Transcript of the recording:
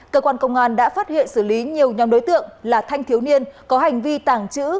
cơ quan công an đã phát hiện xử lý nhiều nhóm đối tượng là thanh thiếu niên có hành vi tàng trữ